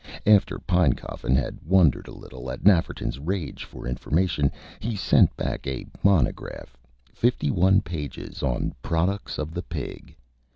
After Pinecoffin had wondered a little at Nafferton's rage for information, he sent back a monograph, fifty one pages, on "Products of the Pig."